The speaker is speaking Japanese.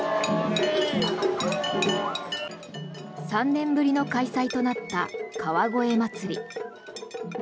３年ぶりの開催となった川越まつり。